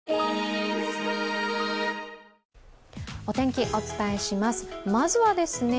お天気、お伝えします。